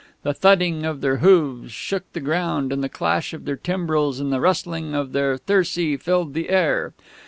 The thudding of their hooves shook the ground, and the clash of their timbrels and the rustling of their thyrsi filled the air.